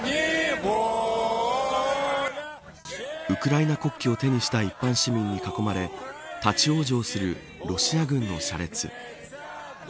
ウクライナ国旗を手にした市民に囲まれ立ち往生するロシア軍の車列。